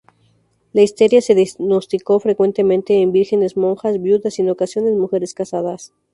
La histeria se diagnosticó frecuentemente en vírgenes, monjas, viudas y, en ocasiones, mujeres casadas.